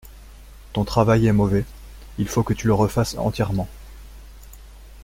Ton travail est mauvais, il faut que tu le refasses entièrement.